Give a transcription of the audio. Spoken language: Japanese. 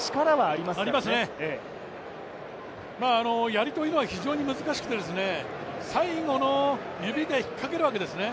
やりというのは非常に難しくて最後の指で引っかけるわけですね。